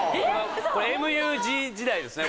これＭＵＧ時代ですね